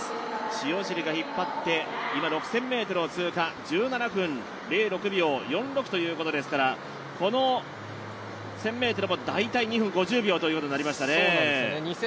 塩尻が引っ張って、今、６０００ｍを通過１７分０６秒４６ということですから、この１０００ｍも大体２分５０秒ということになりましたね。